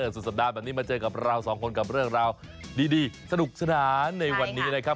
สุดสัปดาห์แบบนี้มาเจอกับเราสองคนกับเรื่องราวดีสนุกสนานในวันนี้นะครับ